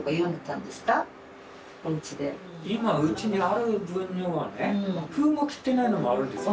今うちにある分のはね封も切ってないのもあるんですよ。